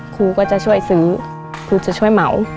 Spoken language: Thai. ครูก็จะช่วยซื้อครูจะช่วยเหมา